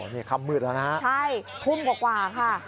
นี่ค่ำมืดแล้วนะฮะใช่ทุ่มกว่าค่ะ